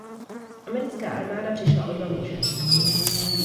Americká armáda přišla o dva muže.